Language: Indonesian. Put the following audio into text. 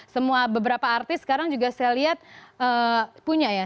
semua beberapa artis sekarang juga saya lihat punya ya